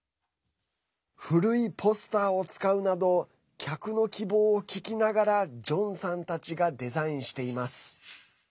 古いポスターを使うなど客の希望を聞きながらジョンさんたちがデザインしています。